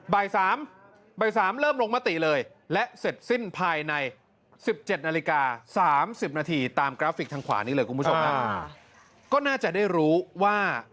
บ่าย๓เริ่มลงมติเลยและเสร็จสิ้นภายใน๑๗นาฬิกา๓๐นาทีตามกราฟิกทางขวานี้เลยคุณผู้ชมก็น่าจะได้รู้ว่า